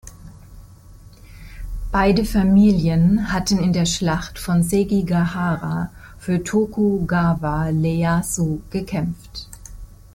Beide Familien hatten in der Schlacht von Sekigahara für Tokugawa Ieyasu gekämpft.